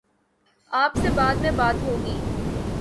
آپ سے بعد میں بات ہو گی۔